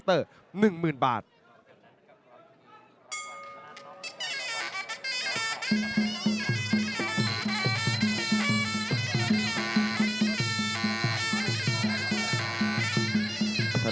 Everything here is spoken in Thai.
และแพ้๒๐ไฟ